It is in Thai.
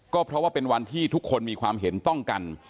ก็เพราะว่าเป็นวันที่ทุกคนมีความเห็นต้องกัน